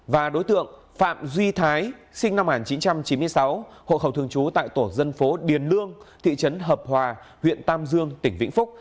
và đối tượng phạm duy thái sinh năm một nghìn chín trăm chín mươi sáu hộ khẩu thường trú tại tổ dân phố điền lương thị trấn hợp hòa huyện tam dương tỉnh vĩnh phúc